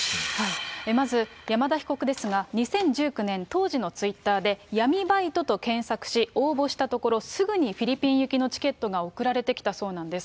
まず山田被告ですが、２０１９年、当時のツイッターで、闇バイトと検索し応募したところ、すぐにフィリピン行きのチケットが送られてきたそうなんです。